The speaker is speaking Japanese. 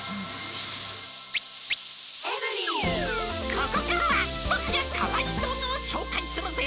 ここからは僕がかわいい動画を紹介するぜ。